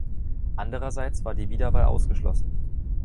Andererseits war die Wiederwahl ausgeschlossen.